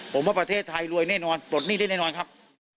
ผมว่าประเทศไทยรวยแน่นอนปลดหนี้ได้แน่นอนครับ